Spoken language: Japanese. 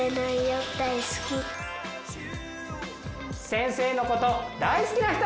先生のこと大好きな人？